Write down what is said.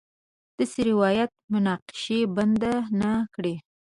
داسې روایت مناقشې بنده نه کړي.